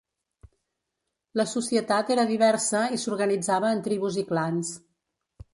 La societat era diversa i s'organitzava en tribus i clans.